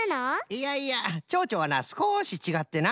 いやいやチョウチョはなすこしちがってな